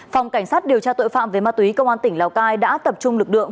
phòng cảnh sát điều tra tội phạm về ma túy công an tỉnh lào cai đã tập trung lực lượng